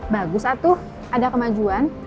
bagus atuh ada kemajuan